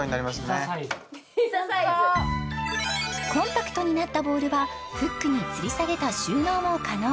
ピザサイズピザサイズコンパクトになったボウルはフックにつり下げた収納も可能